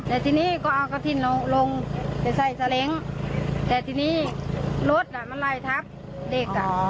แต่ทีนี้ก็เอากระทิ่นลงไปใส่ซาเล้งแต่ทีนี้รถอ่ะมันไล่ทับเด็กอ่ะ